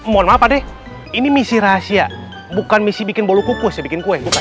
mohon maaf pade ini misi rahasia bukan misi bikin bolu kukus ya bikin kue